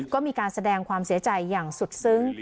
ก็มีการแสดงความเสียใจอย่างสุดซึ้ง